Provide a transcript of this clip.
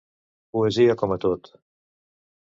Poesia com a tot.